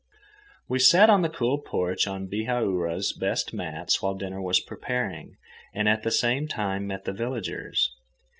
We sat on the cool porch, on Bihaura's best mats while dinner was preparing, and at the same time met the villagers.